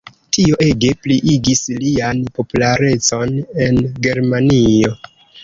Tio ege pliigis lian popularecon en Germanio.